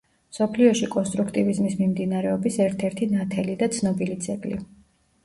მსოფლიოში კონსტრუქტივიზმის მიმდინარეობის ერთ-ერთი ნათელი და ცნობილი ძეგლი.